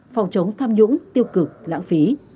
phòng chống tham nhũng tiêu cực lãng phí